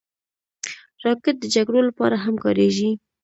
راکټ د جګړو لپاره هم کارېږي